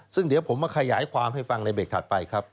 ซึ่งเดี๋ยวผมมาขยายความให้ฟังในเบรกถัดไปครับ